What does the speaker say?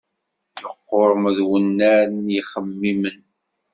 Yeqqurmeḍ wannar n yixemmimen.